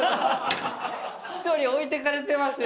１人置いてかれてますよ